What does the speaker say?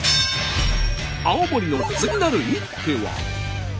青森の次なる一手は。